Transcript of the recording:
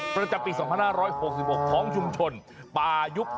ประจำปี๒๕๖๖ของชุมชนป่ายุก